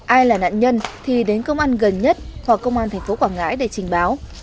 ai là nạn nhân thì đến công an gần nhất hoặc công an tp quảng ngãi để trình báo